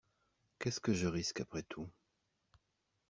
Qu’est-ce que je risque, après tout?